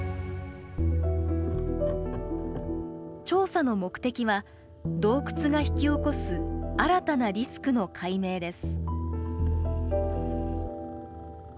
調査の目的は、洞窟が引き起こす新たなリスクの解明です。